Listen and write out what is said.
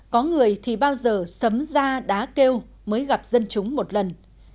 có người thì bao giờ sấm ra đá kêu mới gặp dân chúng một lần